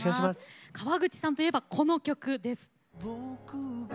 河口さんといえばこの曲です。